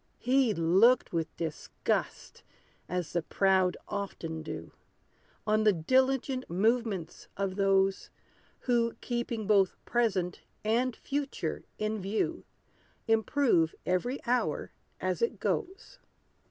He looked with disgust, as the proud often do, On the diligent movements of those, Who, keeping both present and future in view, Improve every hour as it goes.